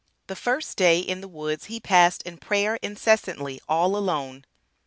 The first day in the woods he passed in prayer incessantly, all alone.